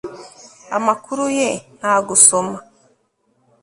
amakuru ye nta gusoma